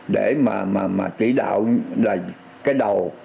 để mà chỉ đạo cái đầu